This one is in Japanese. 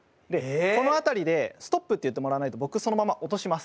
この辺りでストップって言ってもらわないと僕そのまま落とします。